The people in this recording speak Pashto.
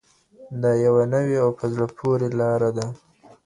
دا یوه نوې او په زړه پورې لاره ده.